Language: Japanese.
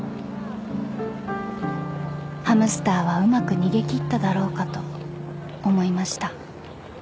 ［ハムスターはうまく逃げ切っただろうかと思いました］